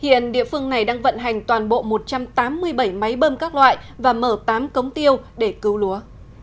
hiện địa phương này đang vận hành toàn bộ một trăm tám mươi bảy máy bơm các loại và mở tám cống tiêu để cứu lúa